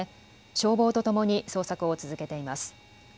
消防とともに捜索を続けています。